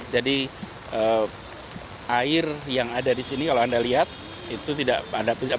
jadi air yang ada di sini kalau anda lihat itu tidak banyak